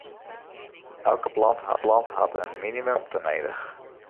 Elke plant hat in minimum oan romte nedich.